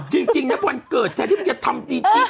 จริงนะวันเกิดแทนที่มึงจะทำจริง